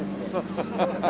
ハハハハハ。